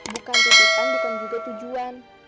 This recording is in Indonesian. bukan titipan bukan juga tujuan